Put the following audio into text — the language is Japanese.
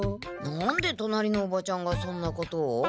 何で隣のおばちゃんがそんなことを？